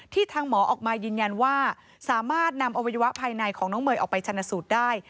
ทางหมอออกมายืนยันว่าสามารถนำอวัยวะภายในของน้องเมย์ออกไปชนะสูตรได้